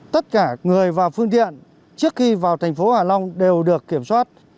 tất cả người và phương tiện trước khi vào tp hà long đều được kiểm soát